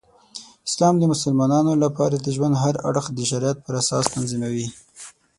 اسلام د مسلمانانو لپاره د ژوند هر اړخ د شریعت پراساس تنظیموي.